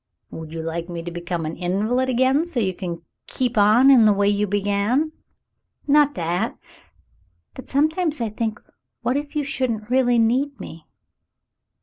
"Would you like me to become an invalid again so you could keep on in the way you began ?" "Not that — but sometimes I think what if you shouldn't really need me